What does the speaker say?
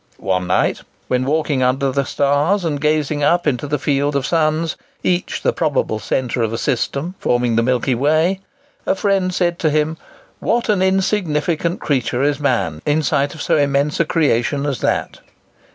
One night, when walking under the stars, and gazing up into the field of suns, each the probable centre of a system, forming the Milky Way, a friend said to him, "What an insignificant creature is man in sight of so immense a creation as that!"